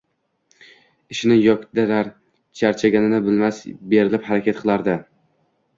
Ishini yokdirar, charchaganini bilmas, berilib harakat qilardi.